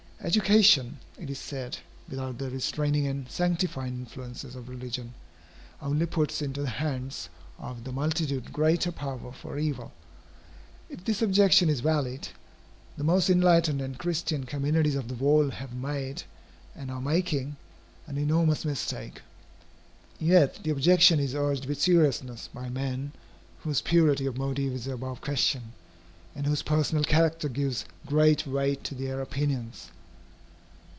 Education, it is said, without the restraining and sanctifying influences of religion, only puts into the hands of the multitude greater power for evil. If this objection is valid, the most enlightened and Christian communities of the world have made, and are making, an enormous mistake. Yet the objection is urged with seriousness by men whose purity of motive is above question, and whose personal character gives great weight to their opinions.